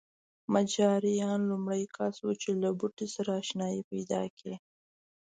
مجاریان لومړني کسان وو چې له بوټي سره اشنايي پیدا کړې.